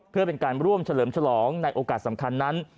เพื่อเป็นการร่วมเฉลิมฉลองในโอกาสสำคัญนั้น